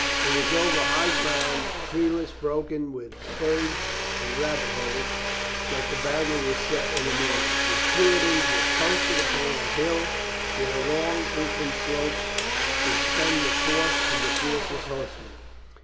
It was over high ground, treeless, broken with furze and rabbit holes, that the battle was set in the morning. The Puritans were posted upon a hill whose long open slope should spend the force of the fiercest horsemen.